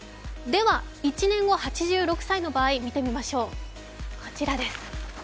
では１年後、８６歳の場合見てみましょう。